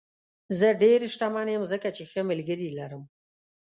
زه ډېر شتمن یم ځکه چې ښه ملګري لرم.